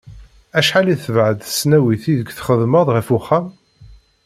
Acḥal i tebεed tesnawit ideg txeddmeḍ ɣef uxxam?